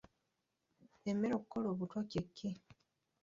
Emmere okukola obutwa kye ki?